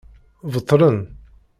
Beṭlen.